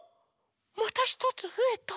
またひとつふえた！